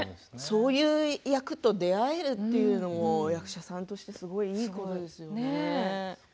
そういう役と出会えるというのも役者さんとしてすごくいいことですよね。